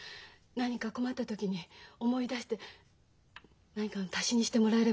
何か困った時に思い出して何かの足しにしてもらえればいいんです。